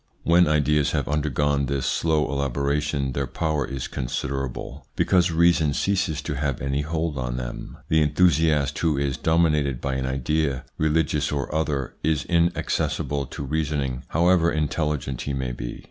When ideas have undergone this slow elaboration their power is considerable, because reason ceases to have any hold on them. The enthusiast who is dominated by an idea, religious or other, is in accessible to reasoning, however intelligent he may be.